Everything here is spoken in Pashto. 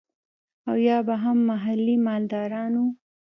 او يا به هم محلي مالداران وو.